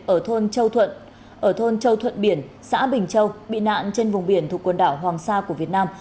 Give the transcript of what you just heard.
ở thôn châu thuận biển xã bình châu bị nạn trên vùng biển thuộc quần đảo hoàng sa của việt nam